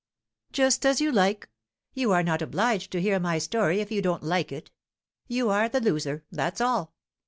"Just as you like, you are not obliged to hear my story if you don't like it; you are the loser, that's all.